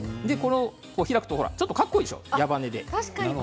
開くとちょっとかっこいいでしょ矢羽根で。